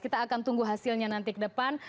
kita akan tunggu hasilnya nanti ke depan